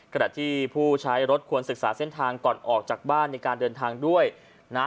ขณะที่ผู้ใช้รถควรศึกษาเส้นทางก่อนออกจากบ้านในการเดินทางด้วยนะ